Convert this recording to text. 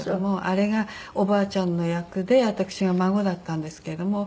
あれがおばあちゃんの役で私が孫だったんですけれども。